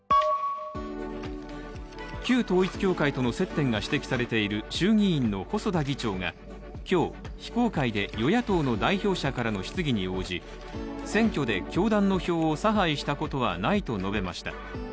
旧統一教会との接点が指摘されている衆議院の細田議長が今日、非公開で与野党の代表者からの質疑に応じ選挙で教団の票を差配したことはないと述べました。